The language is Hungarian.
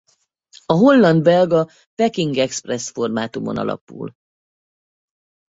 A holland–belga Peking Express formátumon alapul.